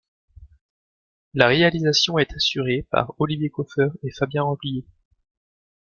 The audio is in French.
La réalisation est assurée par Olivier Kauffer et Fabien Remblier.